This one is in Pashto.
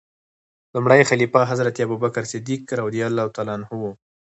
لومړنی خلیفه حضرت ابوبکر صدیق رض و.